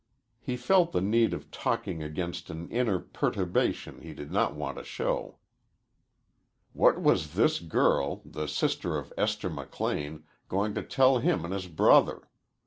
He felt the need of talking against an inner perturbation he did not want to show. What was this girl, the sister of Esther McLean, going to tell him and his brother?